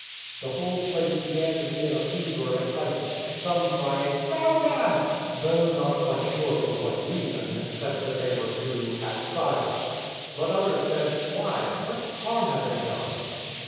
The whole place began to be in a fever of excitement; some crying, " Stone them! " though not quite sure for what reason except that they were two " outsiders." But others said, " Why, what harm have they done?